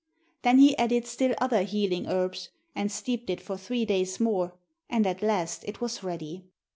Then he added still other healing herbs, and steeped it for three days more, and at last it was ready.